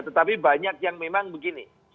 tetapi banyak yang memang begini